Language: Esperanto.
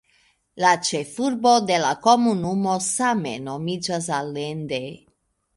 La ĉefurbo de la komunumo same nomiĝas "Allende".